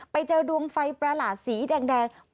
ไปเจอดวงไฟประหลาดสีแดง